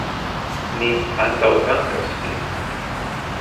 Ni antaŭdankas vin!